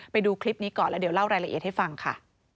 ไปดูคลิปนี้ก่อนแล้วเดี๋ยวเล่ารายละเอียดให้ฟังค่ะ